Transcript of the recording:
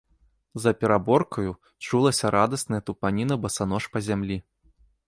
За пераборкаю чулася радасная тупаніна басанож па зямлі.